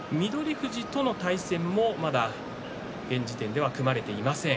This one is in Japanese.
富士とは対戦がまだ現時点では組まれていません。